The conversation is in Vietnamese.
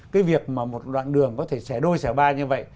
cái việc mà một đoạn đường có thể xẻ đôi xẻ ba như vậy